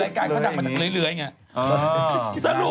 เปล่าเปล่าเปล่า